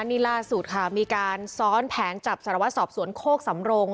นี่ล่าสุดค่ะมีการซ้อนแผนจับสารวัตรสอบสวนโคกสำรง